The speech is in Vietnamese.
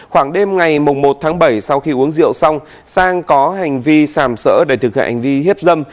khoảng đêm ngày một tháng bảy sau khi uống rượu xong sang có hành vi sàm sỡ để thực hiện hành vi hiếp dâm